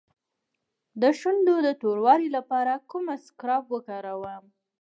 د شونډو د توروالي لپاره کوم اسکراب وکاروم؟